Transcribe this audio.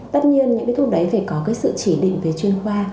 tất nhiên những cái thuốc đấy phải có cái sự chỉ định về chuyên khoa